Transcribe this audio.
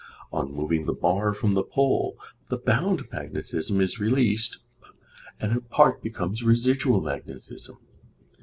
On moving the bar from the pole the bound magnetism is released and a part becomes residual magnetism.